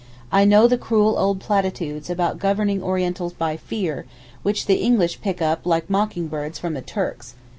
I know the cruel old platitudes about governing Orientals by fear which the English pick up like mocking birds from the Turks.